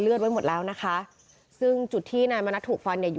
เราส่งคุณจิรายุทธบุญชูลงพื้นที่ไปในที่เกิดเหตุ